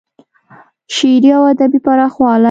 شعري او ادبي پراخوالی